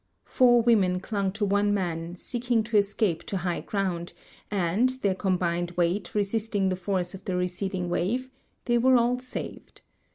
Four women clung to one man, seeking to escape to liigli ground, and their combined weight resisting the force of the receding wave tlie_y were all saved.